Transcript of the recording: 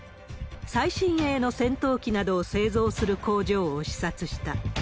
最新鋭の戦闘機などを製造する工場を視察した。